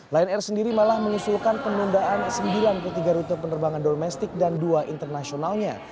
lion air sendiri malah mengusulkan penundaan sembilan puluh tiga rute penerbangan domestik dan dua internasionalnya